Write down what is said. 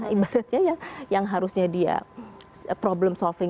ibaratnya ya yang harusnya dia problem solving